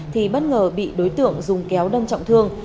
thì bất ngờ bị đối tượng dùng kéo đâm trọng thương